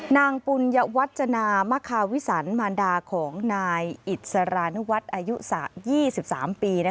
นางปุญวัชนามะคาวิสันมารดาของนายอิสรานวัดอายุ๒๓ปี